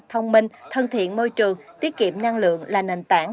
thông minh thân thiện môi trường tiết kiệm năng lượng là nền tảng